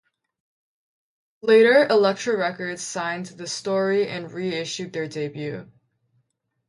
Later Elektra Records signed "The Story" and re-issued their debut.